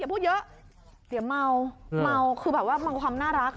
พูดเยอะเสียเมาเมาคือแบบว่าเมาความน่ารัก